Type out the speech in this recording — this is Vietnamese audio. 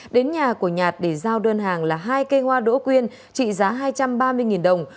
đến nhà của nhạt để giao đơn hàng là hai cây hoa đỗ quyên trị giá hai trăm ba mươi đồng